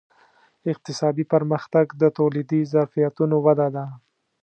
اقتصادي پرمختګ د تولیدي ظرفیتونو وده ده.